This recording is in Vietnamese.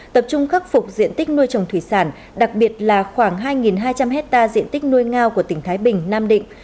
tập trung khắc phục diện tích nuôi trồng thủy sản đặc biệt là khoảng hai hai trăm linh hectare diện tích nuôi ngao của tỉnh thái bình nam định